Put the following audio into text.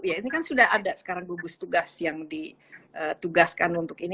ini kan sudah ada sekarang gugus tugas yang ditugaskan untuk ini